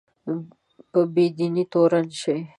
په بې دینۍ تورن شي